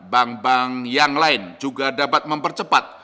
bank bank yang lain juga dapat mempercepat